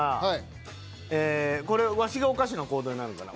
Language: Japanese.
これワシがおかしな行動になるんかな。